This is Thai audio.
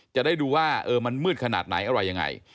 จะได้ดูว่ามันมืดขนาดไหนอะไรยังไง